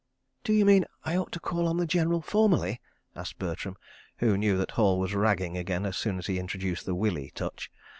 "D'you mean I ought to call on the General formally?" asked Bertram, who knew that Hall was "ragging" again, as soon as he introduced the "Willie" touch.